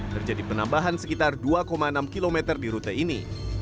terjadi penambahan sekitar dua enam km di rute ini